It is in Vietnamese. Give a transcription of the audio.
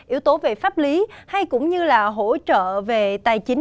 yếu tố về pháp lý hay cũng như là hỗ trợ về tài chính